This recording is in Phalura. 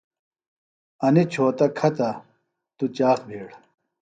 انیۡ چھوتہ کھہ تہ توۡ چاخ بِھیڑ